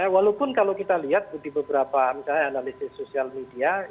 walaupun kalau kita lihat di beberapa misalnya analisis sosial media